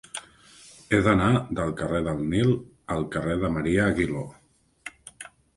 He d'anar del carrer del Nil al carrer de Marià Aguiló.